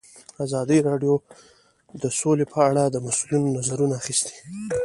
ازادي راډیو د سوله په اړه د مسؤلینو نظرونه اخیستي.